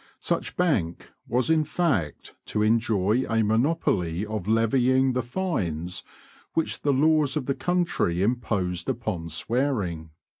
Such bank was in fact to enjoy a monopoly of levying the fines which the laws of the country imposed upon swearing.